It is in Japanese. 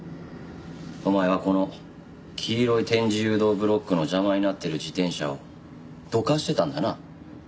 お前はこの黄色い点字誘導ブロックの邪魔になってる自転車をどかしてたんだな。